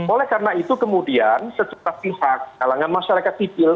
oleh karena itu kemudian sejuta pihak kalangan masyarakat tipil